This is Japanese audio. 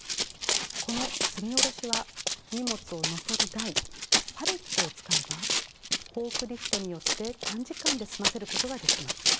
この積み降ろしは荷物を載せる台パレットを使えばフォークリフトによって短時間で済ませることができます。